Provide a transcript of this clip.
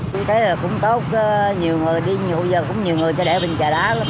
tôi thấy là cũng tốt nhiều người đi hồi giờ cũng nhiều người cho để bình trà đá lắm